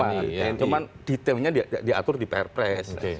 cuman detailnya diatur di pr press